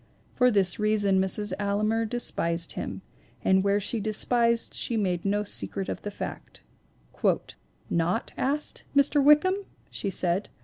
For this reason Mrs. Almar despised him, and where she despised she made no secret of the fact. " 'Not asked, Mr. Wickham !' she said.